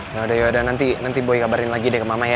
yaudah yaudah nanti nanti boy kabarin lagi deh ke mama ya